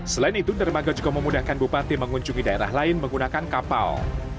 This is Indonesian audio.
selain itu dermaga juga memudahkan bupati mengunjungi daerah lain menggunakan kapal